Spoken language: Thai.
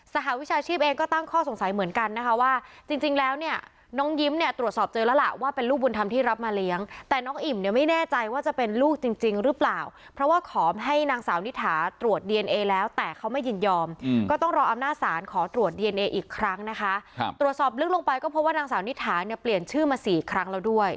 สหวิชาชีพเองก็ตั้งข้อสงสัยเหมือนกันนะคะว่าจริงแล้วน้องยิ้มเนี่ยตรวจสอบเจอแล้วล่ะว่าเป็นลูกบุญธรรมที่รับมาเลี้ยง